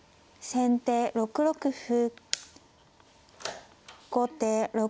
先手５六歩。